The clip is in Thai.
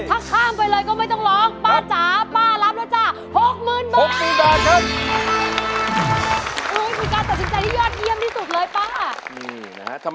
ถ้าข้ามไปเลยก็ไม่ต้องร้องป้าจ๋าป้ารับแล้วจ้า